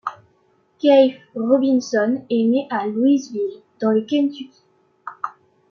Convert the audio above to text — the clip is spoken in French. Keith Robinson est né à Louisville, dans le Kentucky.